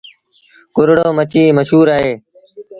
ڪورڙو مڇيٚ مشهور اهي۔